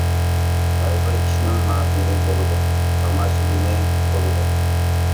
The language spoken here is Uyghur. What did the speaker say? ھەر بىر ئىشنىڭ ماھىرى بولىدۇ، تاماشىبىنى بولىدۇ.